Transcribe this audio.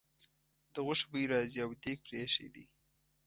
د غوښو بوی راځي او دېګ پرې ایښی دی.